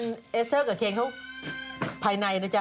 เชื่อกับเคนเข้าภายในเหรอเจ้า